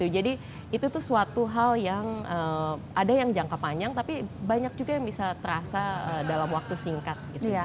jadi itu tuh suatu hal yang ada yang jangka panjang tapi banyak juga yang bisa terasa dalam waktu singkat